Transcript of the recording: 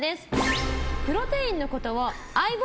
プロテインのことを相棒！